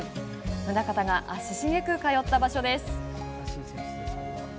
棟方が足しげく通った場所です。